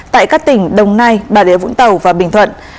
tại các tỉnh đồng nai bà rịa vũng tàu và bình thuận